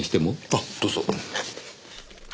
あっどうぞ。